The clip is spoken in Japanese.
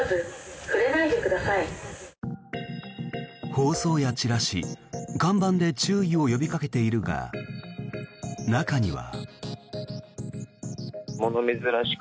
放送やチラシ、看板で注意を呼びかけているが中には。